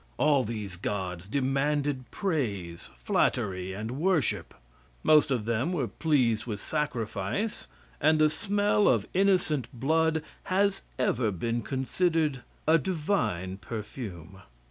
All these Gods demanded praise, flattery, and worship. Most of them were pleased with sacrifice, and the smell of innocent blood has ever been considered a divine perfume.